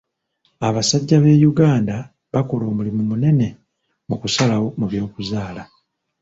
Abasajja be Uganda bakola omulimu munene mu kusalawo mu by'okuzaala.